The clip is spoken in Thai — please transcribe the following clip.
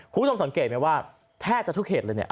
คุณผู้ชมสังเกตไหมว่าแทบจะทุกเขตเลยเนี่ย